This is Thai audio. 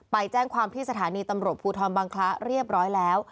ไปแจ้งความที่สถานีตำรวจภูทรบังคละเรียบร้อยแล้ว